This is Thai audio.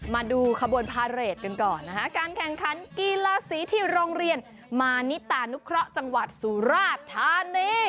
มาดูขบวนพาเรทกันก่อนนะคะการแข่งขันกีฬาสีที่โรงเรียนมานิตานุเคราะห์จังหวัดสุราธานี